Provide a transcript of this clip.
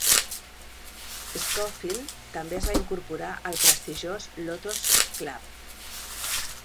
Scofield també es va incorporar al prestigiós Lotos Club.